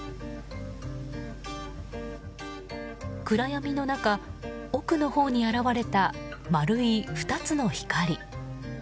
暗闇の中、奥のほうに現れた丸い２つの光。